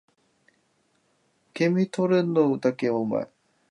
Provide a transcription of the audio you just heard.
受け身取るのだけは上手い